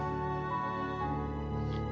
kan dia lagi kesusahan